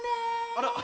あら。